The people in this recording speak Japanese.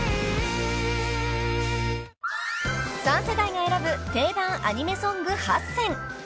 ［３世代が選ぶ定番アニメソング８選］